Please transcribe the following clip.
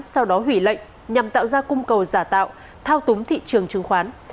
sau đó hủy lệnh nhằm tạo ra cung cầu giả tạo thao túng thị trường chứng khoán